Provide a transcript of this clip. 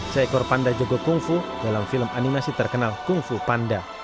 seekor panda jago kung fu dalam film animasi terkenal kung fu panda